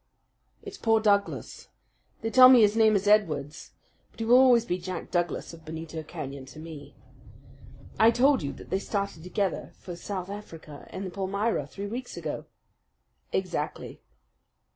"It's poor Douglas. They tell me his name is Edwards; but he will always be Jack Douglas of Benito Canyon to me. I told you that they started together for South Africa in the Palmyra three weeks ago." "Exactly."